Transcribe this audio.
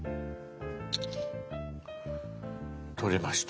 撮れました。